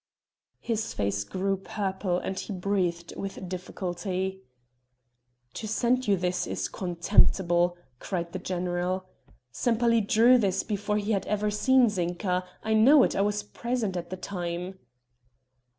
His face grew purple and he breathed with difficulty. "To send you this is contemptible," cried the general; "Sempaly drew this before he had ever seen Zinka.... I know it, I was present at the time."